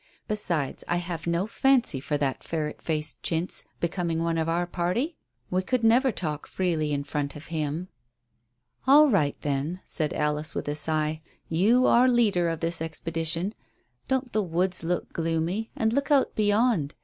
Besides, I have no fancy for that ferret faced Chintz becoming one of our party. We could never talk freely in front of him." "All right, then," said Alice, with a sigh. "You are leader of this expedition. Don't the woods look gloomy? And look out beyond.